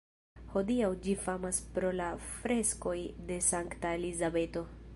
Hodiaŭ ĝi famas pro la freskoj de Sankta Elizabeto.